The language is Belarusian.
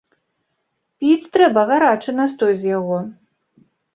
Піць трэба гарачы настой з яго.